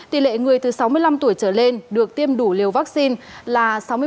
tỷ lệ người từ sáu mươi năm tuổi trở lên được tiêm đủ liều vaccine là sáu mươi bảy